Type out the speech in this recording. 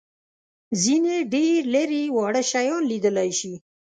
ځینې ډېر لېري واړه شیان لیدلای شي.